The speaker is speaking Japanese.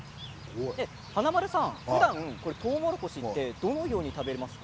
華丸さん、ふだんとうもろこしってどのように食べますか？